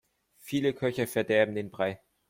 Viele Köche verderben den Brei.